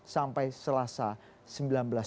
sampai selasa sembilan belas tiga puluh hari ini